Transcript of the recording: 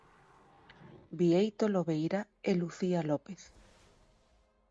Bieito Lobeira e Lucía López.